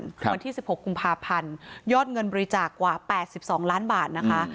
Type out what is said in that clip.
วันที่๑๖กุมภาพันธ์ยอดเงินบริจาคกว่า๘๒ล้านบาทนะคะ